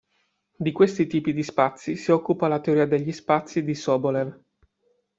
Di questi tipi di spazi si occupa la teoria degli spazi di Sobolev.